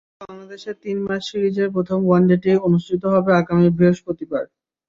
ভারতের সঙ্গে বাংলাদেশের তিন ম্যাচ সিরিজের প্রথম ওয়ানডেটি অনুষ্ঠিত হবে আগামী বৃহস্পতিবার।